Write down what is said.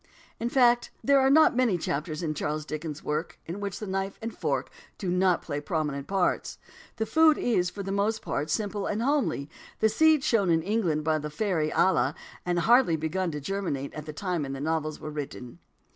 In fact, there are not many chapters in Charles Dickens' works in which the knife and fork do not play prominent parts. The food is, for the most part, simple and homely; the seed sown in England by the fairy Ala had hardly begun to germinate at the time the novels were written.